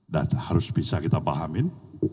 dan harus bisa kita pahamin